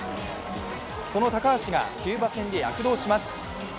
その高橋がキューバ戦で躍動します。